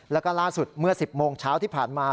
แล้วก็ล่าสุดเมื่อ๑๐โมงเช้าที่ผ่านมา